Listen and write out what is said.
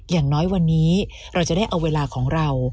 อย่างน้อยวันนี้เราจะได้เอาเวลาของเรา